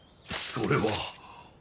それは